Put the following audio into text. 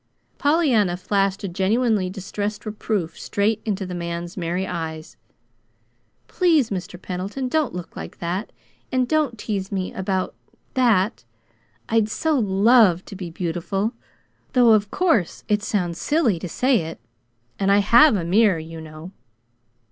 Pollyanna flashed a genuinely distressed reproof straight into the man's merry eyes. "Please, Mr. Pendleton, don't look like that, and don't tease me about THAT. I'd so LOVE to be beautiful though of course it sounds silly to say it. And I HAVE a mirror, you know."